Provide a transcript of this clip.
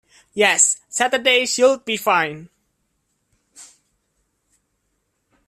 Yes, Saturday should be fine.